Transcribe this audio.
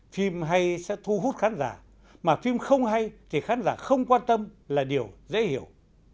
phim hay sẽ thu hút khán giả mà phim không hay thì khán giả không quan tâm là điều dễ hiểu